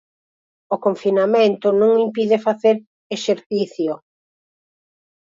O confinamento non impide facer exercicio.